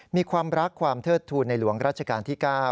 มีความรักความเทิดทูลในหลวงรัชกาลที่๙